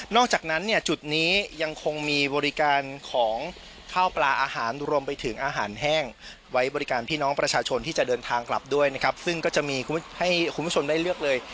จากนั้นเนี่ยจุดนี้ยังคงมีบริการของข้าวปลาอาหารรวมไปถึงอาหารแห้งไว้บริการพี่น้องประชาชนที่จะเดินทางกลับด้วยนะครับซึ่งก็จะมีให้คุณผู้ชมได้เลือกเลย